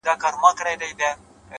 اخلاق د انسان خاموش شهرت دی.!